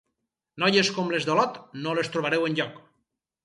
Noies com les d'Olot no les trobareu enlloc.